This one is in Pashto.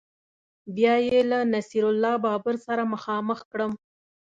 بیا یې له نصیر الله بابر سره مخامخ کړم